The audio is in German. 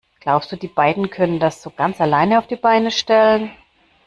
Glaubst du, die zwei können das so ganz alleine auf die Beine stellen?